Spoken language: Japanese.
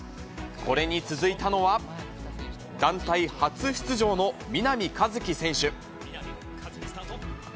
これに続いたのは、団体初出場の南一輝選手。